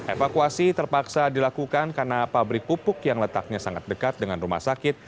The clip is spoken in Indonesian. evakuasi terpaksa dilakukan karena pabrik pupuk yang letaknya sangat dekat dengan rumah sakit